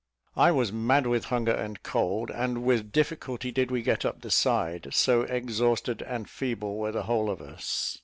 I was mad with hunger and cold, and with difficulty did we get up the side, so exhausted and feeble were the whole of us.